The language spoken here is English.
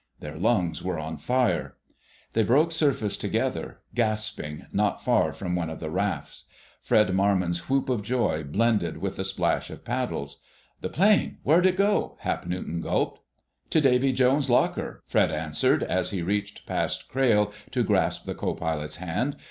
Their lungs were on fire. They broke surface together, gasping, not far from one of the rafts. Fred Marmon's whoop of joy blended with the splash of paddles. "The plane—where'd it go?" Hap Newton gulped. "To Davy Jones's locker!" Fred answered as he reached past Crayle to grasp the co pilot's hand.